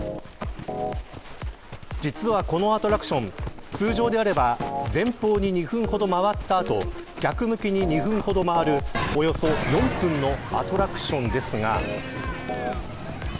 実は、このアトラクション通常であれば前方に２分ほど回った後逆向きに２本ほど回るおよそ４分のアトラクションですが。